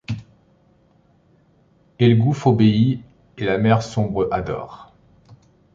Et'le gouffre obéit ; et la mer sombre adore.